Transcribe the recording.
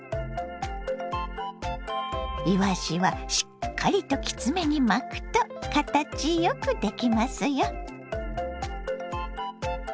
いわしはしっかりときつめに巻くと形よくできますよ。